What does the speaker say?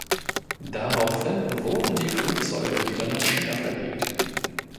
Daraufhin wurden die Flugzeuge wieder nach China verlegt.